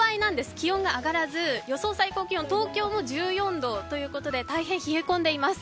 気温が上がらず予想最高気温、１４度ということで大変冷え込んでいます。